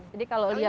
jadi kalau ya